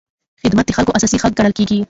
خدمت د خلکو اساسي حق ګڼل کېږي.